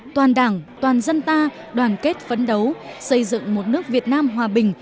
toàn đảng toàn dân ta đoàn kết phấn đấu xây dựng một nước việt nam hòa bình